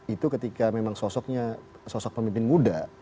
itu ketika memang sosoknya sosok pemimpin muda